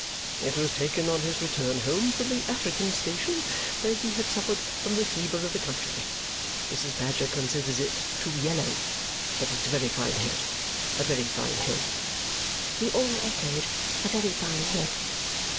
It was taken on his return home from the African station, where he had suffered from the fever of the country. Mrs. Badger considers it too yellow. But it's a very fine head. A very fine head!" We all echoed, "A very fine head!"